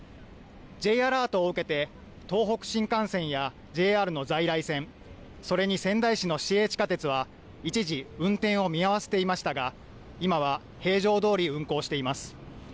Ｊアラートを受けて東北新幹線やＪＲの在来線、それに仙台市の市営地下鉄は一時、運転を見合わせていましたが今は平常どおり運行しています。